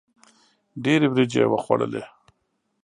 ډېري وریجي یې وخوړلې.